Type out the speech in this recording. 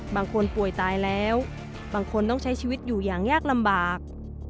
บางคนป่วยตายแล้วบางคนต้องใช้ชีวิตอยู่อย่างยากลำบาก